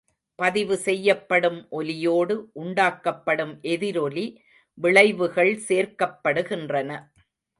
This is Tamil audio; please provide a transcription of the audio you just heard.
பதிவு செய்யப்படும் ஒலியோடு உண்டாக்கப்படும் எதிரொலி விளைவுகள் சேர்க்கப்படுகின்றன.